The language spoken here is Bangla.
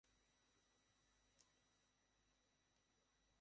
মালিক আমাকে কল করেছে।